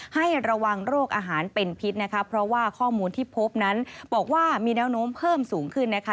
ให้ระวังโรคอาหารเป็นพิษนะคะเพราะว่าข้อมูลที่พบนั้นบอกว่ามีแนวโน้มเพิ่มสูงขึ้นนะคะ